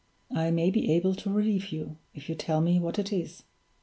"I may be able to relieve you, if you tell me what it is."